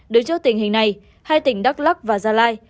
đối chối tình hình này hai tỉnh đắk lắc và gia lai